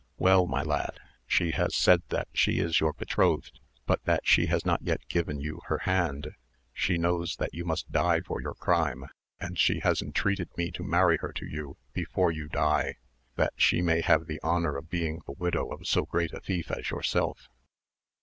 Well, my lad, she has said that she is your betrothed, but that she has not yet given you her hand; she knows that you must die for your crime, and she has entreated me to marry her to you before you die, that she may have the honour of being the widow of so great a thief as yourself."